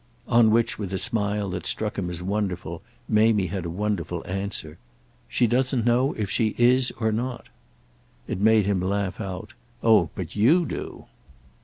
On which with a smile that struck him as wonderful Mamie had a wonderful answer. "She doesn't know if she is or not." It made him again laugh out. "Oh but you do!"